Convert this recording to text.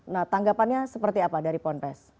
nah tanggapannya seperti apa dari ponpes